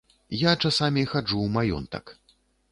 Я часамі хаджу ў маёнтак.